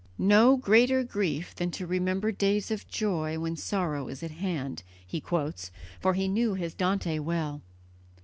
"No greater grief than to remember days Of joy when sorrow is at hand," he quotes, for he knew his Dante well.